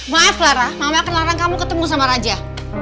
maaf clara mama kenalan kamu ketemu sama raja